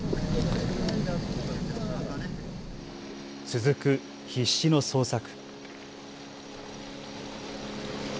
続く必死の捜索。